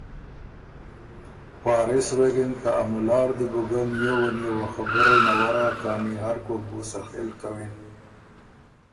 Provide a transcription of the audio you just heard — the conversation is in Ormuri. وارث غوېکِن که ا مُلا ر دی بو ګۀ نیووه نیووه خبُرئ نورّا کانی هرکوک بُو سخېل کوِن